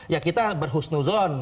ya kita berhusnuzon